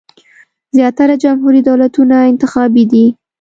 زیاتره جمهوري دولتونه انتخابي دي.